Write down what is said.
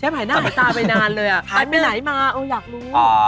มีค่ายไปไหนมาอยากรู้